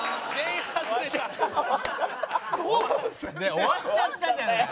終わっちゃったじゃねえか。